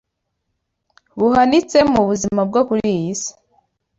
buhanitse mu buzima bwo kuri iyi si